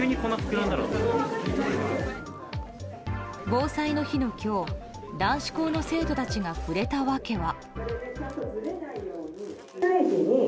防災の日の今日男子校の生徒たちが触れた訳は。